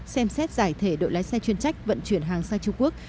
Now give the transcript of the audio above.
xem xét giải thể đội lái xe chuyên trách vận chuyển hàng sang trung quốc